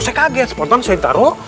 saya kaget seponoknya saya taruh